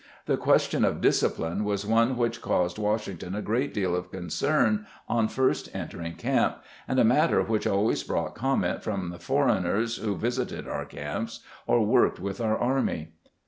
The question of discipline was one which caused Washington a great deal of concern on first entering camp, and a matter which always brought comment from the foreigners who visited our camps or worked with our army.